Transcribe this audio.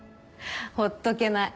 ほっとけない。